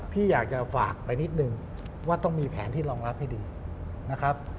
พี่อยากจะฝากไปนิดนึงว่าต้องมีแผนที่รองรับให้ดีนะครับ